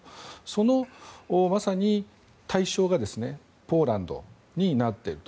そのまさに対象がポーランドになっていると。